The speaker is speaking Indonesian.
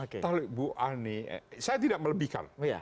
kalau bu ani saya tidak melebihkan